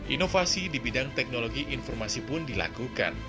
inovasi di bidang teknologi informasi pun dilakukan